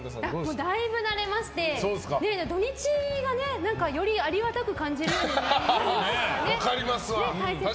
だいぶ慣れまして、土日がよりありがたく感じるように分かります。